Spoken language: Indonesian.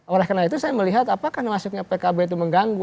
oleh karena itu saya melihat apakah maksudnya pkb itu mengganggu